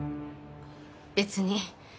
別に。